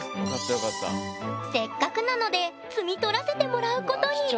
せっかくなので摘みとらせてもらうことに貴重だよ。